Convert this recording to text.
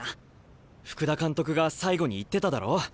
福田監督が最後に言ってただろ。